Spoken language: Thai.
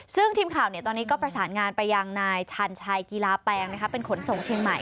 ซึ่งทีมข่าวตอนนี้ก็ประสานงานไปยังนายชันชัยกีฬาแปลงเป็นขนส่งเชียงใหม่